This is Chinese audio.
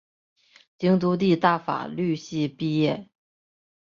京都帝大法律系毕业。